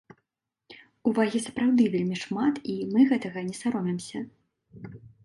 Увагі сапраўды вельмі шмат, і мы гэтага не саромеемся.